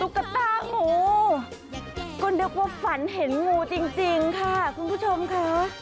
กระตางูก็นึกว่าฝันเห็นงูจริงค่ะคุณผู้ชมค่ะ